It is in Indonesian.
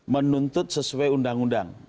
menuntut sesuai undang undang